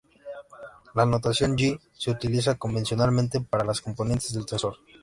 La notación "g" se utiliza convencionalmente para las componentes del tensor.